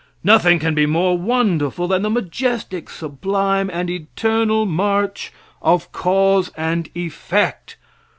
Nothing can be more wonderful than the majestic, sublime, and eternal march of cause and effect.